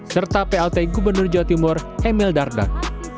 serta plt gubernur jawa timur emil dardak